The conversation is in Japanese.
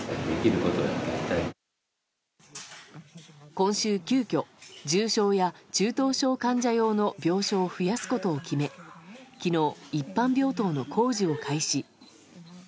今週、急きょ重症や中等症患者用の病床を増やすことを決め昨日、一般病棟の工事を開始。